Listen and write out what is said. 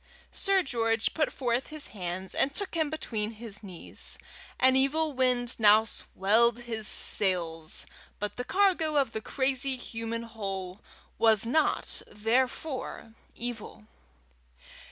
Sir George put forth his hands and took him between his knees. An evil wind now swelled his sails, but the cargo of the crazy human hull was not therefore evil.